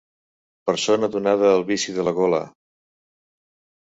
Persona donada al vici de la gola.